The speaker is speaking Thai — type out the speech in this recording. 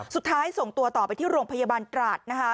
สุดท้ายส่งตัวต่อไปที่โรงพยาบาลตราดนะคะ